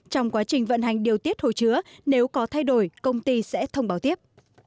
trong quá trình vận hành điều tiết hồ chứa nếu có thay đổi công ty sẽ thông báo tiếp